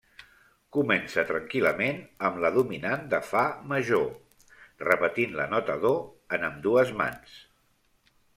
Comença tranquil·lament amb la dominant de fa major, repetint la nota do en ambdues mans.